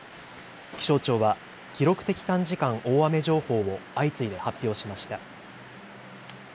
気象庁は記録的短時間大雨情報を相次いで発表しました。